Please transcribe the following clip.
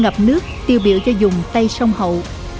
ngập nước tiêu biểu cho rừng tây sông hậu